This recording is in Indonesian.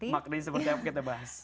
maknanya seperti apa kita bahas